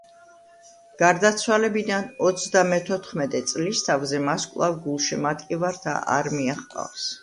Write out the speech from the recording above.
გარდაცვალებიდან ოცდამეთოთხმეტე წლისთავზე მას კვლავ გულშემატკივართა არმია ჰყავს.